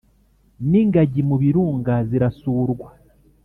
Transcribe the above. n’ingagi mu birunga zirasurwa